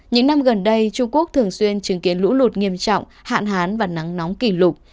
những năm gần đây trung quốc thường xuyên chứng kiến lũ lụt nghiêm trọng hạn hán và nắng nóng kỷ lục